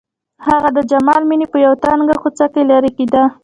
هغه د جمال مېنې په يوه تنګه کوڅه کې لېرې کېده.